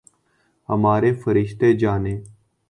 ہمارے فرشتے جانیں۔